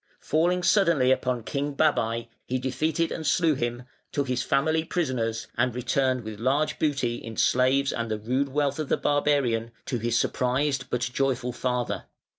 Falling suddenly upon King Babai, he defeated and slew him, took his family prisoners, and returned with large booty in slaves and the rude wealth of the barbarian to his surprised but joyful father.